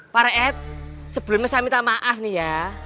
pak rehat sebelumnya saya minta maaf nih ya